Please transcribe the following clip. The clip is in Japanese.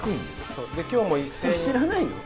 そうで今日も一斉に知らないの？